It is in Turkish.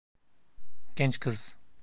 Genç kız.